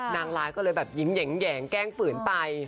นางร้ายก็เลยแบบยิ้มแหยงแกล้งฝืนไป